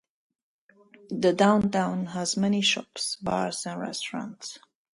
The downtown has many shops, bars, and restaurants.